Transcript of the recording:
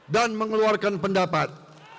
dan mengeluarkan pendapat